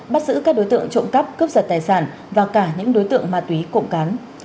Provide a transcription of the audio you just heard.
bắt giữ các đối tượng trộm cắp cướp giật tài sản và cả những đối tượng ma túy cộng cán